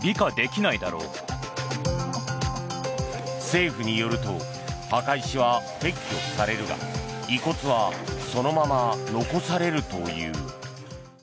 政府によると墓石は撤去されるが遺骨はそのまま残されるという。